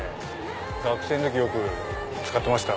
学生の時よく使ってました。